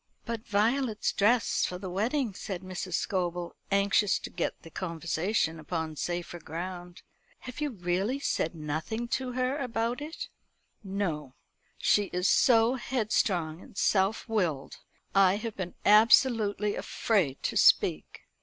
"But Violet's dress for the wedding," said Mrs. Scobel, anxious to get the conversation upon safer ground. "Have you really said nothing to her about it?" "No. She is so headstrong and self willed. I have been absolutely afraid to speak.